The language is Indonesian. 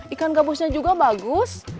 ikan gabusnya juga bagus